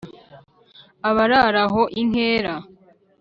abararaho inkera